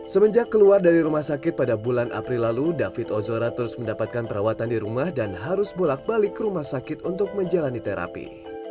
semenjak keluar dari rumah sakit pada bulan april lalu david ozora terus mendapatkan perawatan di rumah dan harus bolak balik ke rumah sakit untuk menjalani terapi